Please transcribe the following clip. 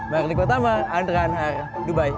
mari kita tambah antrean hari dubai